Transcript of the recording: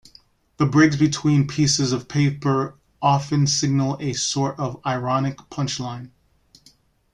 The breaks between pieces of paper often signal a sort of ironic "punchline".